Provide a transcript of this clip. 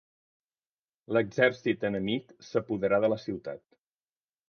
L'exèrcit enemic s'apoderà de la ciutat.